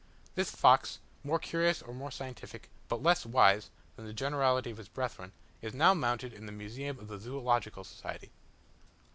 This fox, more curious or more scientific, but less wise, than the generality of his brethren, is now mounted in the museum of the Zoological Society.